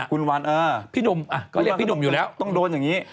คุณวันเออต้องโดนอย่างนี้